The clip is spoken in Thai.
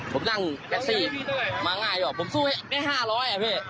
ผมนั่งแอตซี่มาง่ายอยู่ผมสู้ให้๕๐๐บาทอ่ะเฟ้ย